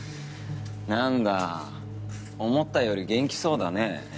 なんだ思ったより元気そうだね。